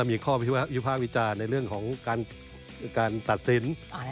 มีข้อวิภาควิจารณ์ในเรื่องของการตัดสิน